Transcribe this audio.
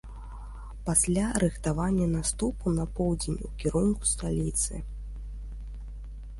Пасля рыхтаванне наступу на поўдзень у кірунку сталіцы.